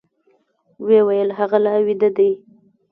وويل هغه لا ويده دی.